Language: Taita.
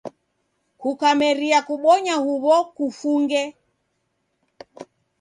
Kukameria kubonya huw'o, kufunge.